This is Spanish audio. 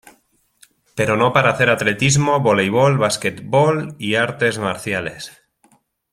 Pero no para hacer atletismo, vóleibol, básquetbol y artes marciales.